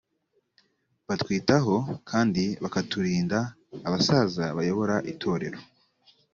batwitaho kandi bakaturinda abasaza bayobora itorero